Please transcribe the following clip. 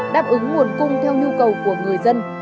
đáp ứng nguồn cung theo nhu cầu của người dân